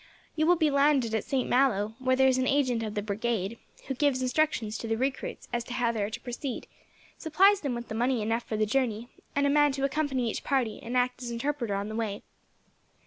You will be landed at Saint Malo, where there is an agent of the Brigade, who gives instructions to the recruits as to how they are to proceed, supplies them with money enough for the journey, and a man to accompany each party, and act as interpreter on the way.